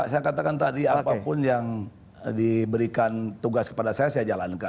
saya katakan tadi apapun yang diberikan tugas kepada saya saya jalankan